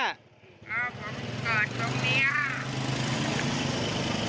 เอ้าผมก่อนตรงเนี่ย